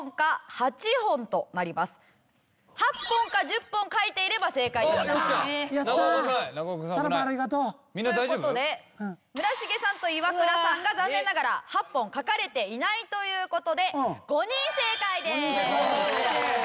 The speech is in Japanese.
８本か１０本描いていれば正解と見なします。という事で村重さんとイワクラさんが残念ながら８本描かれていないという事で５人正解です。